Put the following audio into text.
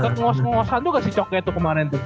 agak ngos ngosan tuh gak sih cokke tuh kemarin tuh